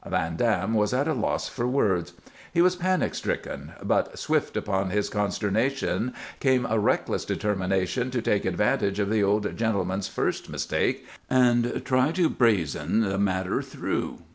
Van Dam was at a loss for words; he was panic stricken; but swift upon his consternation came a reckless determination to take advantage of the old gentleman's first mistake and to try to brazen the matter through.